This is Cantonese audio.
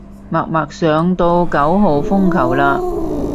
默默上到九號風球嘞